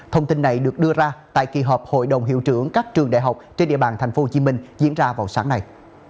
thông tin này được đưa ra tại kỳ họp hội đồng hiệu trưởng các trường đại học trên địa bàn tp hcm diễn ra vào sáng nay